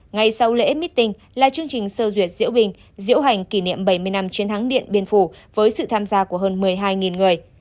ngày sau lễ meeting là chương trình sơ duyệt diễu bình diễu hành kỷ niệm bảy mươi năm chiến thắng điện biên phủ với sự tham gia của hơn một mươi hai người